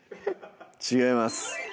違います